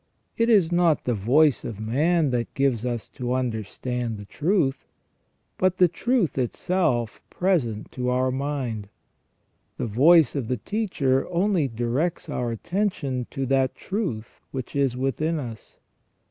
* It is not the voice of man that gives us to understand the truth, but the truth itself present to our mind ; the voice of the teacher only directs our attention to that truth which is within us.